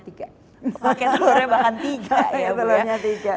paket telurnya bahkan tiga ya bu ya